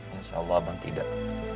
insya allah bang tidak